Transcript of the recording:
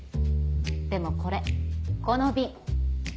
でもこれこの瓶。